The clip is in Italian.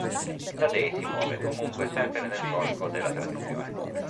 Taddei si muove comunque sempre nel solco della tradizione.